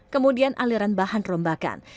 kemudian aliran bahan rombakan